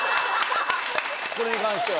これに関しては。